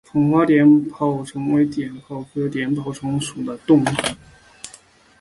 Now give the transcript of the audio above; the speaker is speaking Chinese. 棒花碘泡虫为碘泡科碘泡虫属的动物。